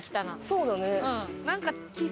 そうだね。